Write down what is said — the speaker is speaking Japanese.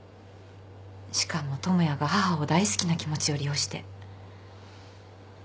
しかも智也が母を大好きな気持ちを利用して。